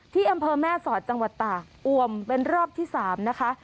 ที่อำเภอแม่สอดจังหวัดตากอวมเป็นรอบที่๓นะคะ